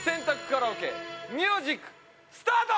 カラオケミュージックスタート！